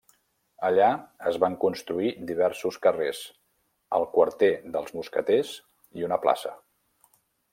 Allà es van construir diversos carrers, el quarter dels mosqueters i una plaça.